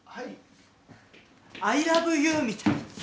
アイラブユーみたいに。